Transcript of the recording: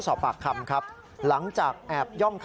เป็นหลักษัตริย์คลิกเกิน